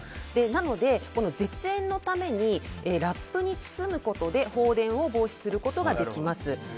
なので絶縁のためにラップに包むことで放電を防止することができます。